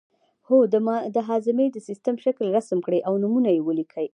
هو د هاضمې د سیستم شکل رسم کړئ او نومونه یې ولیکئ